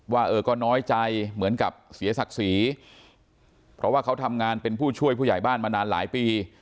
ว่าเออก็น้อยใจเหมือนกับเสียศักดิ์ศรีเพราะว่าเขาทำงานเป็นผู้ช่วยผู้ใหญ่บ้านมานานหลายปี